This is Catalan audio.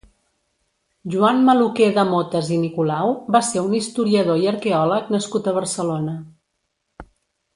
Joan Maluquer de Motes i Nicolau va ser un historiador i arqueòleg nascut a Barcelona.